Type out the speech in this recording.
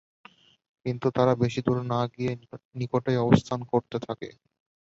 কিন্তু তারা বেশি দূরে না গিয়ে নিকটেই অবস্থান করতে থাকে।